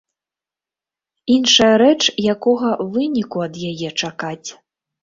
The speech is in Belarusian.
Іншая рэч, якога выніку ад яе чакаць?